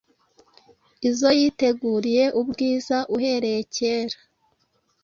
izo yiteguriye ubwiza uhereye kera,